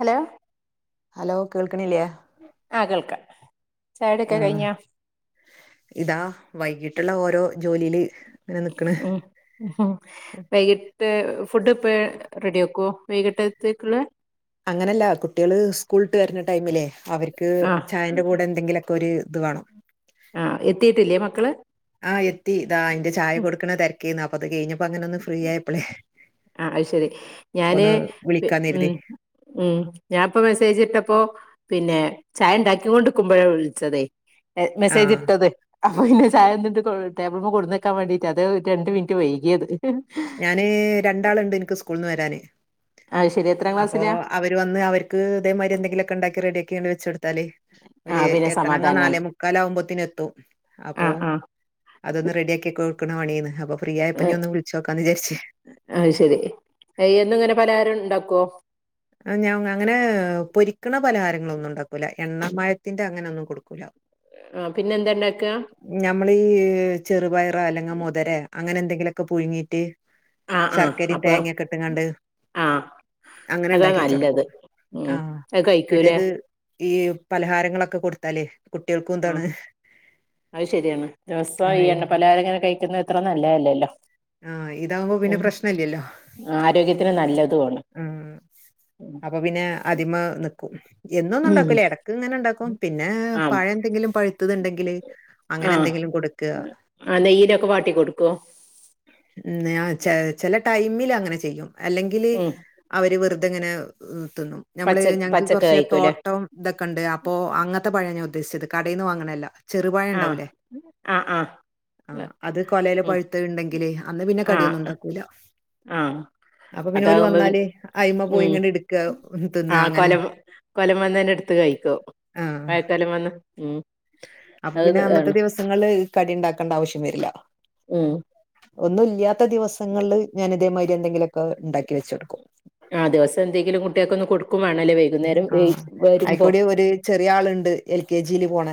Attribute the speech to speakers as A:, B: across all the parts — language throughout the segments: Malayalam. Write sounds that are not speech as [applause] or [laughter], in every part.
A: ഹലോ
B: ഹലോ കേൾക്കണില്ല്യാ
A: ആ കേൾക്കാം ചായകുടിയൊക്കെ
B: ആഹ്
A: കഴിഞ്ഞോ
B: ഇതാ വൈകിട്ടുള്ള ഓരോ ജോലിയില് ഇങ്ങനെ നിക്കണ്
A: ഉം വൈകിട്ട് ഫുഡ് ഇപ്പ റെഡി ആക്കുവോ വൈകിട്ടത്തേക്കുള്ള
B: അങ്ങനെയല്ല കുട്ടികള് സ്കൂളട്ട് വരുന്ന ടൈമിലേ അവർക്ക്
A: ആഹ്
B: ചായേ കൂടെ എന്തെങ്കിലൊക്കെ ഒരു ഇത് വേണം
A: ആഹ് എത്തിയിട്ടില്ലേ മക്കള്
B: ആഹ് എത്തി ദാ അതിന്റെ ചായ കൊടുക്കണ തിരക്കീന്നാ അപ്പ അത് കഴിഞ്ഞപ്പോ അങ്ങനെ ഒന്ന് ഫ്രീ ആയപ്പോളെ
A: ആ അത് ശരി ഞാന്
B: വിളിക്കാന്ന്
A: ഉം
B: കരുതി
A: ഉം ഞാൻപ്പോ മെസ്സേജിട്ടപ്പോ പിന്നെ ചായ ഉണ്ടാക്കി കൊണ്ട്ക്കുമ്പോഴാ വിളിച്ചതെ മെസ്സേജ്
B: ആഹ്
A: ഇട്ടത് അപ്പൊ പിന്നെ ചായ എന്നിട്ട് ടേബിൾമ്മെ കൊട്ന്നക്കാൻ വേണ്ടീട്ട് അതാ രണ്ട് മിനിറ്റ് വൈകിയത്
B: ഞാന് രണ്ടാളുണ്ട് എനിക്ക് സ്കൂൾന്ന് വരാന്
A: അത് ശരി എത്രാം
B: അപ്പൊ
A: ക്ലാസ്സിലാ
B: അവര് വന്ന് അവർക്ക് ഇതേമാരി എന്തെങ്കിലുമൊക്കെ ഉണ്ടാക്കി റെഡി ആക്കി അങ്ങ് വെച്ച് കൊടുത്താല് ഒല്
A: ആഹ് പിന്നെ
B: എത്തണങ്ങ
A: സമാധാനാണ്
B: നാലേ മുക്കാലാകുമ്പോത്തിനെത്തും അപ്പൊ
A: ആഹ് ആഹ്
B: അതൊന്ന് റെഡിയാക്കി കൊടുക്കണ പണിയാണ് അപ്പ ഫ്രീയായപ്പ ഞാനൊന്ന് വിളിച്ചോക്കാന്ന് വിചാരിച്ച്
A: അത് ശെരി എന്നും ഇങ്ങനെ പലഹാരം ഉണ്ടാക്കോ
B: ആഹ് ഞാൻ അങ്ങനെ പൊരിക്ക്‌ണ പലഹാരങ്ങളൊന്നും ഉണ്ടാക്കൂല എണ്ണ മയത്തിന്റെ അങ്ങനെ ഒന്നും കൊടുക്കൂല
A: ആഹ് പിന്നെ എന്താ ഉണ്ടാക്ക
B: ഞമ്മളീ ചെറുപയറോ അല്ലെങ്കിൽ മുതരേ അങ്ങനെ എന്തെങ്കിലുമൊക്കെ പുഴുങ്ങീട്ട്
A: ആ ആ
B: ശർക്കരേം
A: അപ്പൊ
B: തേങ്ങൊക്കെ ഇട്ടുങ്ങാണ്ട്
A: ആ
B: അങ്ങനെ
A: അതാ
B: ഇണ്ടാക്കി വെച്ച്
A: നല്ലത്
B: കൊടുക്കും
A: ഉം
B: ആഹ്
A: അത് കഴിക്കൂലേ
B: മറ്റേത് ഈ പലഹാരങ്ങളൊക്കെ കൊടുത്താല്
A: ആഹ് അത് ശരിയാണ് ദിവസോം ഈ
B: ആഹ്
A: എണ്ണപലഹാരം ഇങ്ങനെ കഴിക്കുന്നത് ഇത്ര നല്ലതല്ലല്ലോ
B: ആഹ് ഇതാവുമ്പോ പിന്നെ
A: ഉം
B: പ്രശ്നല്യല്ലോ
A: ആരോഗ്യത്തിന് നല്ല
B: ഉം അപ്പൊ പിന്നെ അതിമ്മേ നിക്കും എന്നൊന്നും
A: ഉം
B: ഉണ്ടാക്കൂല ഇടക്ക് ഇങ്ങനെ ഉണ്ടാക്കും പിന്നെ
A: ആ
B: പഴം എന്തെങ്കിലും പഴുത്തത് ഉണ്ടെങ്കില് അങ്ങനെ എന്തെങ്കിലും കൊട്ക്ക
A: [unintelligible] ക്കെ വാട്ടി കൊടുക്കോ
B: ആഹ് ചില ടൈമിൽ അങ്ങനെ ചെയ്യും അല്ലെങ്കില്
A: ഉം
B: അവര് വെറുതെ ഇങ്ങനെ തിന്നും ഞമ്മള്
A: പച്ച
B: ഞങ്ങക്ക്
A: പച്ചക്ക
B: കുറച്ച്
A: കഴിക്കൂലേ
B: തോട്ടം ഇതൊക്കെ ഉണ്ട് അപ്പോ അങ്ങത്തെ പഴാ ഞാൻ ഉദ്ദേശിച്ചത് കടേന്ന് വാങ്ങ്ണല്ല ചെറുപഴം
A: ആ
B: ഉണ്ടാവൂല്ലേ
A: ആ ആ
B: ആഹ് അത് കൊലേലെ
A: ഉം
B: പഴുത്തത് ഉണ്ടെങ്കില് അന്ന് പിന്നെ കടിയൊന്നും ഉണ്ടാക്കൂല
A: ആഹ് അതാകുമ്പോ പി
B: എ അയിമ്മ പോയിങ്ങനെട്ക്ക ഒന്ത്
A: ആഹ് കോലേമ്മേന്നെന്നെ എടുത്ത് കഴിക്കും
B: ആ
A: വായക്കൊലേമ്മേന്ന് ഉം
B: അപ്പൊ പിന്നെ
A: അത്
B: അന്നത്തെ
A: ആണ്
B: ദിവസങ്ങളില് കടി ഉണ്ടാക്കേണ്ട ആവശ്യം വരില്ല
A: ഉം
B: ഒന്നും ഇല്യാത്ത ദിവസങ്ങളില് ഞാൻ ഇതേമാരി എന്തെങ്കിലുമൊക്കെ ഉണ്ടാക്കി വെച്ചൊട്ക്കും
A: ആഹ് ദിവസം എന്തെങ്കിലും കുട്ട്യോക്ക് ഒന്ന് കൊടുക്കും വേണല്ലോ വ
B: ആഹ് അയിക്കൂടെ ഒരു ചെറിയ ആളുണ്ട് എൽ കെ ജീല് പോണ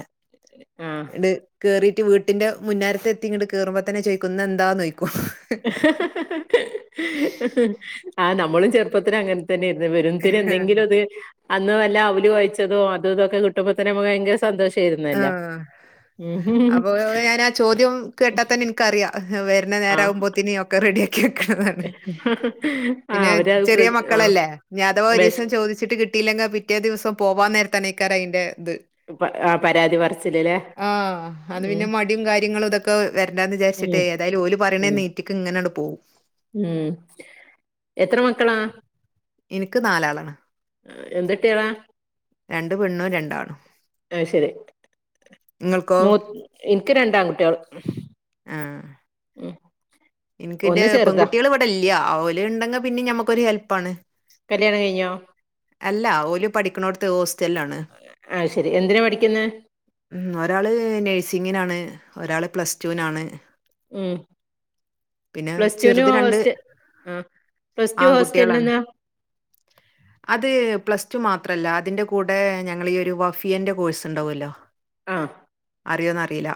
A: ആഹ്
B: ഇണ്ട് കേറിയിട്ട് വീട്ടിന്റെ മുന്നാരത്തെത്തി ഇങ്ങോട്ട് കേറുമ്പതന്നെ ചോയിക്കും ഇന്നെന്താന് ചോയിക്കും
A: ആ നമ്മളും ചെറുപ്പത്തിൽ അങ്ങനെ തന്നേർന്നു വെരുംന്തേര് എന്തെങ്കിലും അത് അന്ന് വല്ല അവല് കൊയച്ചതോ അതും ഇതും ഒക്കെ കിട്ടുമ്പത്തന്നെ നമുക്ക് ഭയങ്കര സന്തോഷ
B: ആഹ് അപ്പൊ ഞാനാ ചോദ്യം കേട്ടാതന്നെ നിക്കറിയ വര് ന്ന
A: ആഹ്
B: നേരാകുമ്പോത്തിന് ഒക്കെ റെഡിയാക്കി വെക്കണതാണ്
A: ആ
B: പിന്നെ
A: അവരത് പ്ര
B: ചെറിയ
A: ആ
B: മക്കളല്ലേ ഇനി അധവ ഒരു
A: വെശ്
B: ദിവസം ചോയിച്ചിട്ട് കിട്ടീലെങ്കി പിറ്റേ ദിവസം പോവാൻ നേരത്തനയ്ക്കാരം അതിന്റെ ഇത്
A: പ പരാതി പറച്ചില്ലല്ലേ
B: ആഹ് അത് പിന്നെ മടിയും കാര്യങ്ങളും ഇതൊക്കെ വരണ്ടാന്ന്
A: ഉം
B: വിചാരിച്ചിട്ട് ഏതായാലും ഓല്
A: ഉം
B: പറയണന്നെ ഒറ്റക്ക് ഇങ്ങനണ്ട് പോവും
A: ഉം എത്ര മക്കളാ
B: എനിക്ക് നാലാളാണ്
A: എന്ത്‌ട്ട്യോളാ
B: രണ്ട് പെണ്ണും രണ്ടാണും
A: അത് ശരി
B: ഇങ്ങൾക്കോ?
A: മൂ എനിക്ക് രണ്ട് ആണ്കുട്ട്യോൾ
B: ആഹ് എനിക്ക് എന്റെ
A: ഒന്ന് ചെറുതാ
B: പെൺകുട്ടികൾ ഇവിടെ ഇല്ല്യ ഓല്ണ്ടെങ്കി പിന്നെ ഞമ്മക്കൊരു ഹെൽപ്പാണ്
A: കല്യാണം കഴിഞ്ഞോ
B: അല്ല ഓല് പഠിക്ക്ണോട്ത്ത് ഹോസ്റ്റലാണ്.
A: ആഹ് ശരി എന്തിന് പഠിക്ക്ന്ന്
B: ഉം ഒരാള് നേഴ്സിങ്ങിനാണ് ഒരാള് പ്ലസ് റ്റൂനാണ്.
A: ഉം പ്ലസ് ടുന്
B: ചെറുത് രണ്ട്
A: ഹോസ്റ്റ ആ പ്ലസ് ടു
B: ആൺകുട്ടികളാണ്.
A: ഹോസ്റ്റല്ന്നാ
B: അത് പ്ലസ് ടു മാത്രല്ല അതിന്റെ കൂടെ ഞങ്ങള് ഈ ഒരു വഫിയന്റെ കോഴ്സ്ണ്ടാവൊല്ലോ
A: ആ
B: അർയോന്നറീയില്ല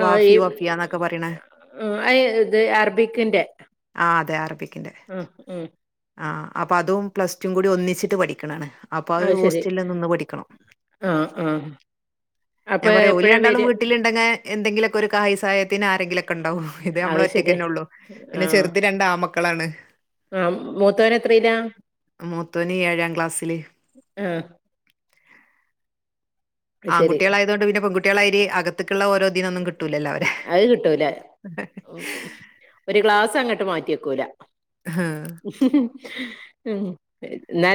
A: ആ, ഈ
B: വാഫി വഫിയാന്നൊക്കെ പറിണെ
A: ഉം അയ്ത് അറബിക്കിന്റെ
B: ആഹ് അതെ അറബിക്കിന്റെ
A: ഉം ഉം
B: ആഹ് അപ്പതും പ്ലസ് റ്റും കൂടി ഒന്നിച്ചിട്ട് പഠിക്കണാണ് അപ്പ അത് ഹോസ്റ്റല്ല് നിന്ന് പഠിക്കണം.
A: ആഹ് ആഹ്
B: എവടെ ഓല് രണ്ടാളും വീട്ടിലിണ്ടങ്ങ എന്തെങ്കിലൊക്കെ ഒരു കായി സഹായത്തിന് ആരെങ്കിലൊക്കെ ണ്ടാവു ഇത്
A: അത്
B: നമ്മള്
A: ശരി
B: ഒറ്റയ്ക്കന്നെ ഒള്ളൂ പിന്നെ ചെർത് രണ്ടാമ ക്കളാണ്
A: ആഹ് മൂത്തവര് എത്രല്ല
B: മൂത്തോന് ഏഴാം ക്ലാസ്സില്
A: ആഹ് അത് ശരി
B: ആങ്കുട്ട്യേളായതൊണ്ട് പിന്നെ പെങ്കുട്ട്യേളായിരി അകത്ത്ക്ക്ള്ള ഓരോതിനൊന്നും കി ട്ടൂലല്ലോ അവരെ
A: അത് ഒര് ഗ്ലാസങ്ങട്ട് മാറ്റിവെയ്ക്കൂല
B: ആഹ്
A: ഉം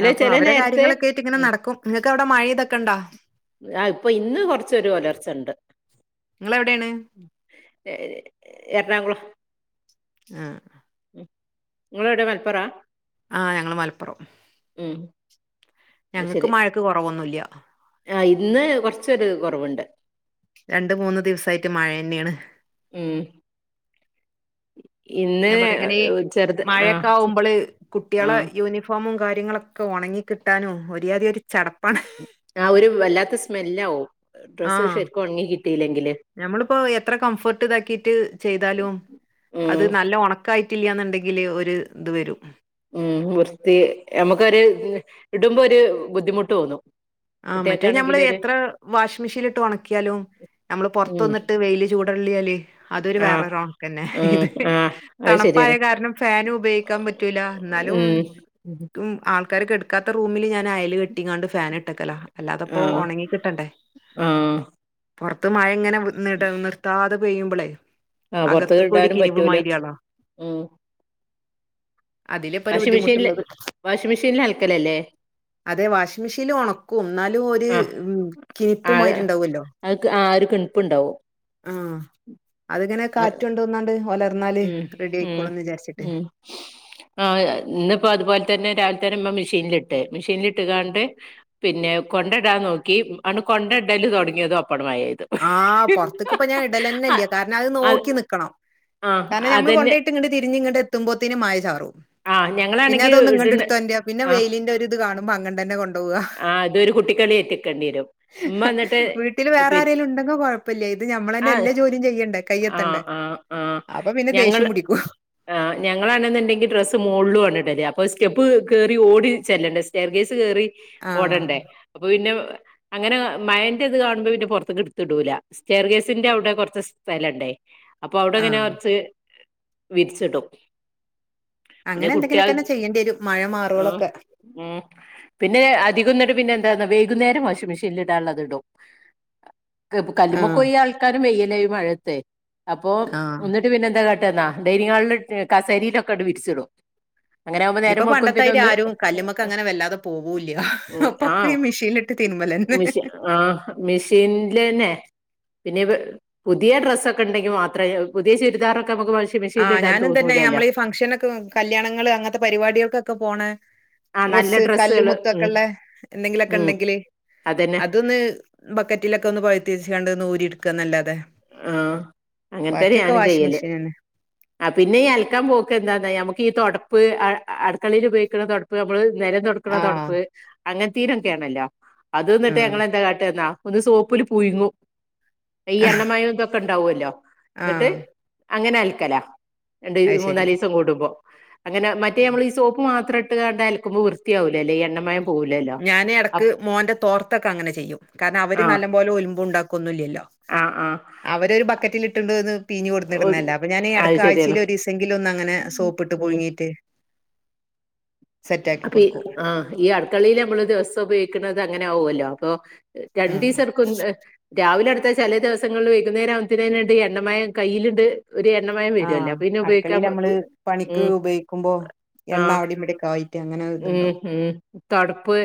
B: ആ അപ്പ
A: ചില
B: അവരെ
A: നേരത്ത്
B: കാര്യങ്ങളൊക്കെയിട്ട് ഇങ്ങനെ
A: ഉം
B: നടക്കും ങ്ങക്ക് അവടെ മഴെതൊക്കെണ്ടോ?
A: ആഹ് ഇപ്പൊ ഇന്ന് കൊർച്ചൊരു ഒലർച്ചണ്ട്.
B: ങ്ങളെവ്ടെണ്
A: ഏ എർണാകുളം
B: ആഹ്
A: ങ്ങളേടെ മൽപ്പറാ
B: ആഹ് ഞങ്ങള് മലപ്പാെറം
A: ഉം
B: ഞങ്ങക്ക് മഴക്ക് കെറവൊന്നുല്യ
A: ആഹ് ഇന്ന് കൊർച്ചൊര് കൊറവ്ണ്ട്
B: രണ്ട് മൂന്ന് ദിവ്സായിറ്റ് മഴെന്നേണ്
A: ഉം ഇന്ന്
B: ഞാൻ പറ്യ ഇങ്ങനെ
A: ചെറുത് ആ
B: മഴക്കെ ആവുമ്പള്
A: ആ
B: കുട്ട്യോളെ യൂനി ഫോമും കാര്യങ്ങളൊക്കെ ഒണങ്ങി കിട്ടാനും ഒര് യാതി ഒര് ചടപ്
A: ആഹ് ഒര് വല്ലാത്ത സ്മെല്ലാവും ഡ്രസ്സ് ശര്ക്കും ഒൺങ്ങി കിട്ടീലെങ്കില്
B: നഞമ്മള്പ്പാെ എത്ര കംഫേട്ട് താക്കീട്ട് ചെയ്താലും അത്
A: ഉം
B: നല്ല ഒണ ക്കായ്ട്ടില്യാന്ണ്ടെങ്കില് ഒര് ഇത് വെരും ഉം
A: ഉം വൃത്തി ഞമ്മെക്കൊര് ഇട്മ്പാെര് ബുദ്ധിമുട്ട് തോന്നും
B: ആഹ് മറ്റേത് ഞമ്മള്
A: കുട്ടികൾക്കാണെങ്കിലൊരു
B: എത്ര വാഷ് മിഷീൻല്ട്ട് ഒണക്കിയാലും നമ്മള്
A: ഉം
B: പൊർത്തൊന്ന്ട്ട് വെെല് ചൂടാെള്ളിയാല് അതൊരു
A: ആ
B: വേറൊരൊൺക്കെന്നേ
A: ഉം
B: ഇത്
A: ആ അത്
B: തണപ്പായ
A: ശരിയാണ്
B: കാരണം ഫാനും ഉപയോഗിക്കാൻ പറ്റൂല ഇന്നാലും ഉം ആൾക്കാര് കെട്ക്കാത്ത റൂമില് ഞാനയല് കെട്ടിങ്ങാണ്ട് ഫേ ട്ടക്കലാ അല്ലാതെപ്പൊ
A: ആഹ്
B: ഒണങ്ങി കിട്ടണ്ടെ
A: ആഹ്
B: പൊർത്ത് മഴ ഇങ്ങനെ നിട നിർത്താതെ പെയ്യുമ്പളേയ്
A: ആഹ് പൊറത്ത്
B: അകത്ത്ക്കും ഒര്
A: ഇടാനും
B: കിനിവ്
A: പറ്റൂല
B: മാരിയാണ്
A: ഉം
B: അതില് പാെ ഒര്
A: വാഷിംഗ് മെഷീനില്
B: ബുദ്ധിമുട്ട്ള്ളത്
A: വാഷിംഗ് മെഷീനിൽ അലക്കലല്ലേ
B: അതെ വാഷിംഗ് മെഷീൻല് ഒണ ക്കും ഇന്നാലും ഒര്
A: ആഹ്
B: ഉം കിനിപ്പ്
A: ആഹ്
B: മായിരി ഇണ്ടാവാെല്ലോ
A: അത് ക് ആഹ് ഒര് കിൺപ്പ് ഇണ്ടാവും
B: ആഹ് അത്ങ്ങനെ കാറ്റാെണ്ട് ഒന്നണ്ട് വാെലർന്നാല്
A: ഉം ഉം
B: റെഡൈക്കോളുംന്ന് വിജാര്ച്ചിട്ട്
A: ഉം ആഹ് ഇന്ന്പ്പാെ അത്പോലെ തന്നെ രാവിൽതെന്നെ ഇമ്മ മിഷീൻല്ട്ട് മിഷീൻലിട്ട്കാണ്ട് പിന്നെ കൊണ്ടെടാൻ നോക്കി ആണ് കൊണ്ടെടല് താെടങ്ങിയതും അപ്പണ് മയപെയ്ത്
B: ആഹ് പൊർത്ത്ക്ക് ഇപ്പ ഞാൻ ഇടലെന്നെല്യ കാരണം അത് നോക്കി നിക്കണം
A: ആഹ്
B: കാരണം ഞമ്മള്
A: അതന്നെ
B: കൊണ്ടാേയി ട്ട്ഇങ്ങണ്ട് തിരിഞ്ഞ് ഇങ്ങണ്ട് എത്തുമ്പോത്തിന് മയ ചാറും
A: ആഹ്
B: പിന്നെ
A: ഞങ്ങളാണെങ്കി
B: അതാെന്ന് ഇങ്ങണ്ട്
A: ഇട്ണ
B: ഇട്ത്താെന്റാ പിന്നെ വെെലിന്റെ ഒര്ഇത് കാണുമ്പൊ അങ്ങണ്ടെന്നെ കൊണ്ടാേവാ
A: ആഹ് ഇതൊരു കുട്ടിക്കളി എത്തിക്കെണ്ടി വെരും ഇമ്മ ഇന്ന്ട്ട്
B: പിന്നെ വേറാരേലും ഇണ്ടങ്ക കൊഴപ്പല്യ ഇത് ഞമ്മളെന്നെ എല്ലാ ജോലം ചെയ്യണ്ടെ കയ്യെത്തെണ്ടെ
A: ആഹ് ആഹ്
B: അപ്പൊ പിന്നെ ദേഷ്യം പുടിക്കും
A: ആഹ് ഞങ്ങളാണ്ന്ന് ഇണ്ടെങ്കി ഡ്രസ് ഇത് മോൺള് കൊണ്ടാേയി ഇടല്ലേ അപ്പൊ സ്റ്റെപ്പ് ക് കേറി ഓടി ചെല്ലണ്ടേ സ്റ്റയർ കേസ് കേറി
B: ആഹ്
A: ഓടണ്ടേ അപ്പൊ പിന്നെ അങ്ങനെ മയന്റെ ഇത് കാണുമ്പാെ പിന്നെ പാെർത്ത്ക്ക് ഇട്ത്ത് ഇടൂല സ്റ്റയർ ഗേസിന്റെ അവ്ടെ കൊറച്ച് സ്ഥലണ്ടേ അപ്പൊ അവെടെങ്ങനെ
B: ആഹ്
A: കാെറച്ച് വിര്ച്ചിടും
B: അങ്ങനെ എന്തെങ്കിലൊക്കെന്നെ ചെയ്യണ്ടെരും മഴ
A: ആ
B: മാറാേളൊക്കെ
A: ഉം പിന്നെ അധികംന്ന്ട്ട് പിന്നെ എന്താന്നാ വൈക്ന്നേരം വാഷിംഗ് മിഷീൻല് ഇടാള്ളത് ഇടും കെബു
B: ആഹ്
A: കല്ല്മ്മകാേയി ആൾക്കാരും വെയ്യല്ലെ ഈ മഴയത്തേ അപ്പൊ
B: ആഹ്
A: ഒന്ന് ട്ട് പിന്നെന്താ കാട്ടാന്നാ ഡൈനിഹാൾ ല് ങ്ങ് കസേരീലൊക്കെ ഇണ്ട് വിരിച്ചിടും അങ്ങനെ ആകുമ്പോ
B: ഇപ്പൊ
A: നേരം വെളുക്കുമ്പത്തേന്
B: പണ്ടത്തെരി
A: ഒന്ന്
B: ആരും കല്ല്മ്മക്കങ്ങനെ വെല്ലാതെ പോവൂല്യ അപ്പൊക്കെ ഈ മിഷീൻല്
A: മിഷ് ആഹ് മെഷീൻലെന്നെ പിന്നെ പെ പുതിയ ഡ്രസ്സൊക്കെ ഇണ്ടെങ്കി മാത്രേ പുതിയ ചുരിദാറൊക്കെ ഇമ്മക്ക് വാഷ്
B: ആഹ് ഞാനും തന്നെ നമ്മളീ ഫംഗ്ഷനൊക്കെ കല്യാണങ്ങള് അങ്ങൻത്തെ പരിവാടികൾകാെക്കെ പോണെ
A: ആ നല്ല
B: ഡ്രെസ്സ് കല്ലും
A: ഡ്രസ്സുകള് ഉം
B: മുത്തൊക്കെള്ളെ എന്തെങ്കിലൊക്കെ
A: ഉം
B: ഇണ്ടെങ്കില്
A: അതന്നെ
B: അതൊന്ന് ബക്കറ്റിലൊക്കെ ഒന്ന് പഴ്ത്തി വെച്ച്കാണ്ടാെന്ന് ഊരി ഇട്ക്കാ നെല്ലാതെ
A: ആഹ് അങ്ങൻതന്നെ ഞാനും ചെയ്യല്
B: മെഷീനന്നെ
A: ആഹ് പിന്നെ ഈ അൽക്കാൻ പോക്ക് എന്താന്നാ ഞമക്ക് ഈ തൊടപ്പ് അ അട്ക്കളീല് ഉപയോഗിക്ക്ണ താെട് പ്പ് നമ്മള് നെരം തൊടക്കണ
B: ആഹ്
A: തൊടപ്പ് അങ്ങനെ തീരൊക്കെയാണല്ലോ അത് ന്നിട്ട്
B: ആഹ്
A: ഞങ്ങളെന്താ കാട്ട്ന്നാ ഒന്ന് സോപ്പില് പുയുങ്ങും ഈ എണ്ണമയം ഇതൊക്കെ ഉണ്ടാവല്ലോ എന്നിട്ട്
B: ആഹ്
A: അങ്ങനെ അലക്കലാ രണ്ട്
B: അത്
A: മൂന്നല്
B: ശരി
A: ദിവസം കൂടുമ്പോ അങ്ങനെ മറ്റേ നമ്മളീ സോപ്പ് മാത്രം ഇട്ട് കണ്ട അലക്കുമ്പോ വൃത്തിയാകൂല ഈ എണ്ണമയം പോവൂലല്ലോ
B: ഞാാന്
A: അ
B: എടക്ക് മോന്റെ തോർത്തൊക്കെ അങ്ങനെ ചെയ്യും, കാരണം അവര് നല്ല പോലെ ഒലിമ്പും ഉണ്ടാക്കൊന്നും ല്ലല്ലോ.
A: ആഹ് ആഹ്
B: അവരൊരു ബക്കറ്റിലിട്ടോണ്ട് വന്ന് പിയിഞ്ഞു
A: ഒ-
B: കൊടുന്നിടുന്നയല്ല അപ്പൊ ഞാന്
A: അത്
B: എടക്ക്
A: ശരിയാണ്
B: ആഴ്ചയിലൊരീസയെങ്കിലും ഒന്ന് അങ്ങനെ സോപ്പിട്ട്
A: ഉം
B: പുയുങ്ങിയിട്ട് കൊടുക്കും
A: [unintelligible] ആഹ് ഈ അടുക്കളയില് നമ്മള് ദിവസം ഉപയോഗിക്കണത് അങ്ങനെയാവുല്ലോ അപ്പൊ
B: ആ
A: രണ്ടീസെടുക്ക ക്കും, രാവിലെ എടുത്ത ചെലേ ദിവസങ്ങളിൽ വൈകുന്നേരം ആവുത്തേനായിട്ട് എണ്ണമയം കയ്യിലുണ്ട്. ഒരു എണ്ണമയം വരുമല്ലോ
B: ആഹ്
A: അപ്പൊ പിന്നെ ഉപയോഗിക്കാൻ
B: അടുക്കളേല് മ്മള് പണിക്ക്
A: ഉം
B: ഉപയോഗിക്കുമ്പോ
A: ആ
B: എണ്ണ അവിടേം ഇവിടേക്കെ ആയി
A: ഉം ഉം തൊടപ്പ്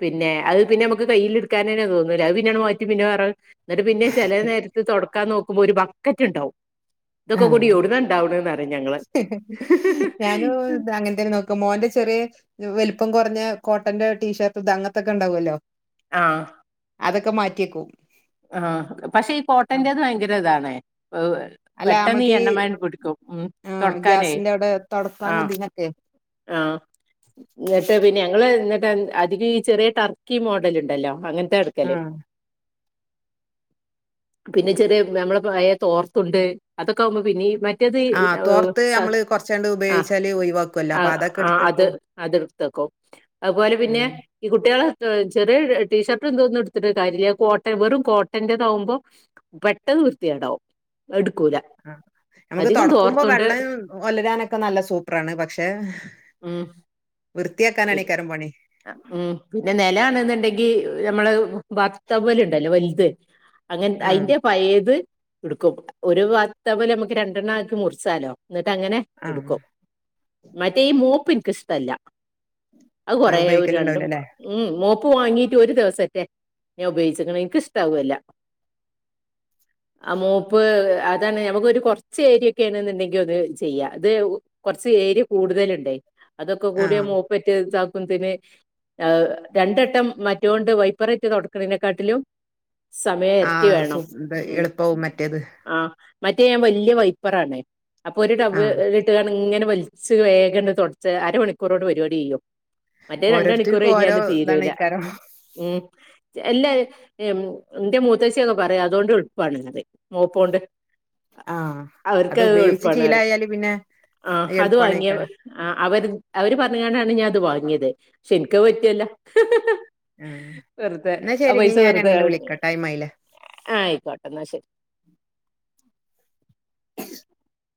A: പിന്നെ അത് പിന്നെ നമുക്ക് കൈയിൽ എടുക്കാൻ തന്നെ തോന്നൂല, അത് പിന്നെയങ്ങട്ട് മാറ്റി പിന്നെ വേറെ എന്നിട്ട് പിന്നെ ചെലേ നേരത്ത് തൊടക്കാൻ നോക്കുമ്പോ ഒരു ബക്കറ്റ് ഉണ്ടാവും.
B: ആ
A: ഇതൊക്കെ കൂടി എവിടുന്നണ്ടാവണേന്ന്‌റയും ഞങ്ങള്
B: അങ്ങനത്തേനു ക്ക് മോന്റെ ചെറിയ വലുപ്പം കുറഞ്ഞ കോട്ടന്റെ ടീഷർട്ട് ഇത് അങ്ങനത്തൊക്കെ ഉണ്ടാാവുമല്ലോ
A: ആഹ്
B: അതൊക്കെ മാറ്റിവെക്കും.
A: ആഹ് പക്ഷെ ഈ കോട്ടന്റെത് ഭയങ്കര ഇതാാണ് [unintelligible]
B: അല്ല
A: പെട്ടന്നീ
B: നമ്മൾക്ക് ഈ
A: എണ്ണമയൻ പിടിക്കും ഉം
B: ആഹ്
A: തൊടക്കാനേ
B: ഗ്യാസിന്റെ അവിടെ തൊടക്കാനും
A: ആഹ്
B: ഇതിനൊക്കെ
A: ആഹ് ന്നിട്ട് പിന്നെ ഞങ്ങള് ന്നിട്ട് അതികം ഈ ചെറിയ ടർക്കി മോഡലുണ്ടല്ലോ അങ്ങനത്തെയാ എടുക്കല്.
B: ആഹ്
A: പിന്നെ ചെറിയ നമ്മളെ പയ തോർത്തുണ്ട്, അതൊക്കെ ആകുമ്പോ പിന്നീ മറ്റ് റ്റത് ആഹ്
B: തോർത്ത്
A: സ
B: നമ്മള് കൊറച്ചാണ്ട്
A: ആഹ്
B: ഉപയോഗിച്ചാല് ഒഴിവാക്കുവല്ലോ
A: അ
B: അപ്പൊ അതൊക്കെ
A: അത് അത്
B: എടുത്തേക്കും
A: അതെടുത്തെക്കും. അതുപോലെ പിന്നെ
B: ഉം
A: ഈ കുട്ട്യാളെ ചെറിയ ടീഷർട്ടും ഇതൊന്നും എടുത്തിട്ട് കാര്യല്ല കോട്ട [unintelligible] വെറും കോട്ടന്റെതാകുമ്പോ പെട്ടെന്ന് വൃത്തിയേടാവും, അതെടുക്കൂല.
B: ആഹ് നമുക്ക് തുൊടക്കുമ്പോ വെള്ളം ഒലരാനൊക്കെ നല്ല സൂപ്പറാണ്, പക്ഷെ
A: ഉം
B: വൃത്തിയാക്കാനാണേ ഈ കരം പണി.
A: ഉം പിന്നെ നെലാണെന്നുണ്ടെങ്കി നമ്മള് ബാത്ത് ടവ്വലുണ്ടല്ലോ വല്ത്. അങ്ങനെ
B: ആഹ്
A: അയിന്റെ പയേത് ഇടുക്കും, ഒരു വാത്ടവ്വൽ നമ്മക്ക് രണ്ടെണ്ണം ആക്കി മുറിച്ചാലോ ന്നിട്ട് അങ്ങനെ
B: ആഹ്
A: എടുക്കും, മറ്റേ ഈ മോപ്പ്നിക്ക് ഇഷ്ടല്ല.
B: ആഹ്
A: ഇപ്പയെ ഒരു രണ്ടും
B: ഉപയോഗിക്കലുണ്ടാവില്ലല്ലേ
A: ഉം മോപ്പ് വാങ്ങീട്ട് ഒരു ദിവസട്ടെ ഞാൻ ഉപയോഗിച്ചക്ണ്‌ എനിക്കിഷ്ടാവേലാ. ആഹ് മോപ്പ് അതാണ് നമുക്കൊരു കൊറച്ച് ഏരിയൊക്കെണ്ന്നുണ്ടെങ്കി അത് ചെയ്യാ ഇത് കുറച്ച് ഏരിയ കൂടുതലുണ്ട് അതൊക്കെകൂടി
B: ആഹ്
A: മൂപ്പറ്റ് [unintelligible] [unintelligible] ആഹ് രണ്ടെട്ടം മറ്റൊണ്ട് വൈപറിട്ടു തൊടക്കണതിനെക്കാട്ടിലും സമയം എരട്ടി
B: ആഹ് സു
A: വേണം
B: ഇത്
A: ഉം
B: എളുപ്പാവും മറ്റേത്
A: ആഹ് മറ്റേ ഞാൻ വല്ല്യ വൈപ്പറാണേ, അപ്പൊ ഒരു
B: ആഹ്
A: ടവ്വലിട്ട് ദാണ്ടേ ഇങ്ങനെ വലി ച്ച് വേഗങ്ങട്ട് തുടച്ച് അരമണിക്കൂറോണ്ട്‌ പരിപാടി കയും. മറ്റേത് രണ്ട് മണിക്കൂറു
B: ഓരോരുത്തർക്കും ഓരോ
A: കഴിഞ്ഞാലും തീരൂല
B: ഇതാണേക്കാരം
A: ഉം എല്ലാരും ഏഹ് മ് ന്റെ മൂത്തശ്ശിയൊക്കെ പറയും അതോണ്ട് എളുപ്പാണ് ന്ന് മോപ്പൊണ്ട്.
B: ആഹ് അത്
A: അവർക്ക്ത്
B: ഉപയോഗിച്ച്
A: എളുപ്പാണര്
B: ശീലായാല് പിന്നെ
A: അത് വാങ്ങിയാ
B: എളുപ്പാണേക്കാരം
A: അ അവര് അവര് പറഞ്ഞുകാണ്ടാണ് ഞാൻ അത് വാങ്ങിയത് പക്ഷെ എനിക്കത് പറ്റിയേല.
B: ആഹ്
A: വെറുതെ
B: എന്നാ
A: ആ
B: ശരി ഇനി
A: പൈസ
B: ഞാൻ
A: വെറുതെ
B: അങ്ങട്
A: കളഞ്ഞ്
B: വിളിക്കാ ടൈം ആയില്ലേ
A: ആയിക്കോട്ടെ എന്നാ ശരി.
B: എ